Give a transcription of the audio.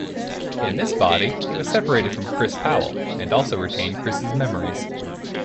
In this body, he was separated from Chris Powell, and also retained Chris' memories.